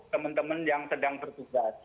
teman teman yang sedang bertugas